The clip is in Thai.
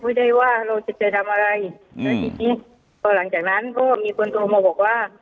ไม่ได้ว่าเราเศรษฐ์ใจทำอะไรอืมแล้วหลังจากนั้นก็มีคนโทรมาบอกว่า